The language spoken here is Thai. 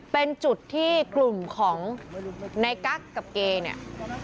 เป็นจุดที่กลุ่มของในกั๊กกับเกเนี่ย